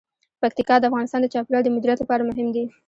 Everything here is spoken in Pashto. پکتیکا د افغانستان د چاپیریال د مدیریت لپاره مهم دي.